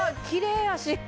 きれい脚！